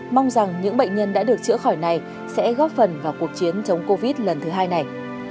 mong rằng những bệnh nhân đã được chữa khỏi này sẽ góp phần vào cuộc chiến chống covid lần thứ hai này